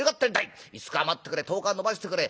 ５日待ってくれ１０日延ばしてくれ